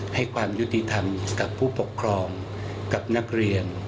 ให้ความยุติธรรมกับผู้ปกครองกับนักเรียน